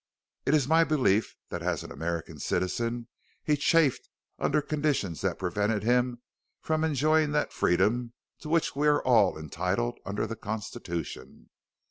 It is my belief that as an American citizen he chafed under conditions that prevented him from enjoying that freedom to which we are all entitled under the Constitution.